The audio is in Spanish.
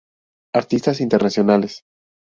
Artistas Internacionales